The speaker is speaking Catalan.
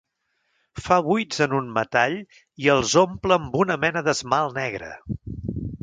Fa buits en un metall i els omple amb una mena d'esmalt negre.